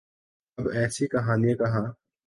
اب ایسی کہانیاں کہاں۔